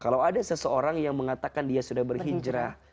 kalau ada seseorang yang mengatakan dia sudah berhijrah